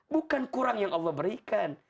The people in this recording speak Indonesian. bukan kurang yang allah berikan